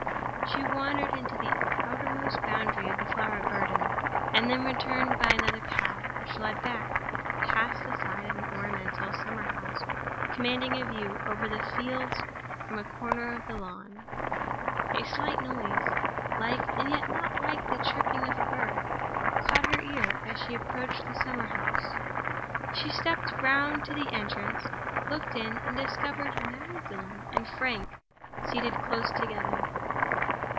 She wandered to the outermost boundary of the flower garden, and then returned by another path, which led back, past the side of an ornamental summer house commanding a view over the fields from a corner of the lawn. A slight noise—like, and yet not like, the chirruping of a bird—caught her ear as she approached the summer house. She stepped round to the entrance; looked in; and discovered Magdalen and Frank seated close together.